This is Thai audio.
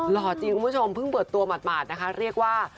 หล่อจริงคุณผู้ชมเพิ่งเปิดตัวหมาดนะคะเรียกว่า